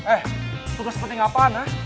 eh tugas penting apaan ah